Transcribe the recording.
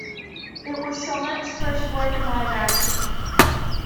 It was Chomet's first work in live action.